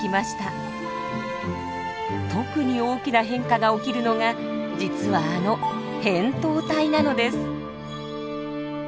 特に大きな変化が起きるのが実はあのへんとう体なのです。